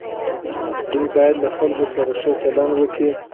دوی باید له خلکو سره ښه چلند وکړي.